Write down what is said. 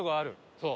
そう。